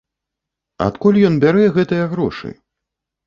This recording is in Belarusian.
Адкуль ён бярэ гэтыя грошы?